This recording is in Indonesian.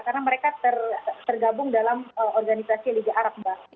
karena mereka tergabung dalam organisasi liga arab mbak